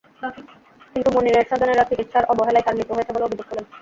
কিন্তু মনিরের স্বজনেরা চিকিৎসার অবহেলায় তাঁর মৃত্যু হয়েছে বলে অভিযোগ তোলেন।